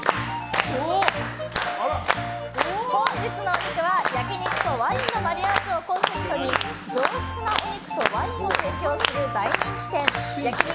本日のお肉は焼き肉とワインのマリアージュをコンセプトに上質なお肉とワインを提供する大人気店焼肉